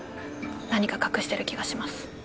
何か隠してる気がします